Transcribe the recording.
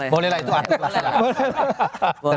boleh lah itu arti bos